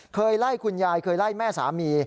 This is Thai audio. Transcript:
เคยไล่คุณยายเคยไล่แม่สามี